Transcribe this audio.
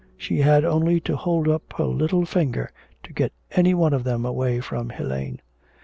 She had only to hold up her little finger to get any one of them away from Helene.